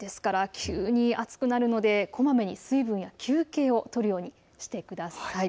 急に暑くなるのでこまめに水分や休憩をとるようにしてください。